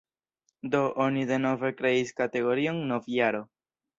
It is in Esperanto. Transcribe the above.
Do, oni denove kreis kategorion "novjaro".